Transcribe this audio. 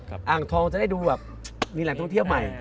อ่างทองจะได้ดูแบบมีแหล่งท่องเที่ยวใหม่